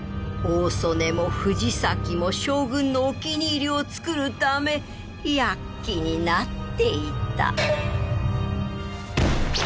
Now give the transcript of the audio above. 大曽根も藤崎も将軍のお気に入りを作るため躍起になっていた